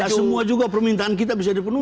tidak semua permintaan kita bisa dipenuhi